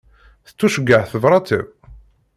Tettuceyyeɛ tebrat-iw?